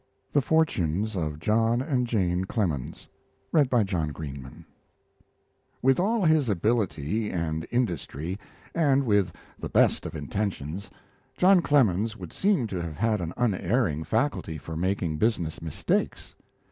THE FORTUNES OF JOHN AND JANE CLEMENS With all his ability and industry, and with the best of intentions, John Clemens would seem to have had an unerring faculty for making business mistakes.